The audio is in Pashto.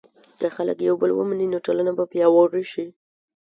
که خلک یو بل ومني، نو ټولنه به پیاوړې شي.